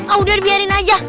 ah udah dibiarin aja